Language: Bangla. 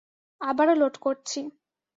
আবারও লোড করছি।